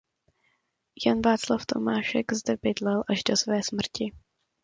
Jan Václav Tomášek zde bydlel až do své smrti.